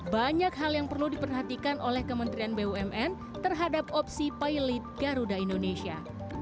banyak hal yang perlu diperhatikan oleh kementerian bumn terhadap opsi pilot garuda indonesia